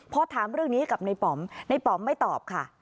พอถามเรื่องนี้กับในป๋อมในป๋อมไม่ตอบค่ะ